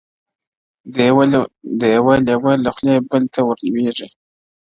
د یوه لېوه له خولې بل ته ور لوېږي -